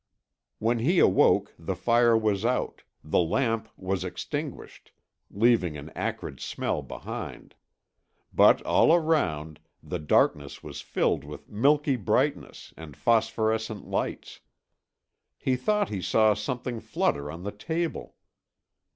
When he awoke the fire was out, the lamp was extinguished, leaving an acrid smell behind. But all around, the darkness was filled with milky brightness and phosphorescent lights. He thought he saw something flutter on the table.